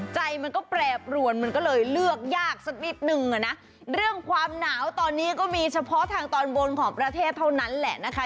ใจมันก็แปรปรวนมันก็เลยเลือกยากสักนิดนึงอ่ะนะเรื่องความหนาวตอนนี้ก็มีเฉพาะทางตอนบนของประเทศเท่านั้นแหละนะคะ